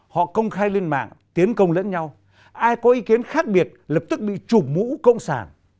họ công khai lên mạng tiến công lẫn nhau ai có ý kiến khác biệt lập tức bị trụp mũ cộng sản